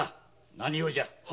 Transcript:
何用じゃ？